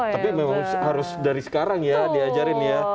tapi memang harus dari sekarang ya diajarin ya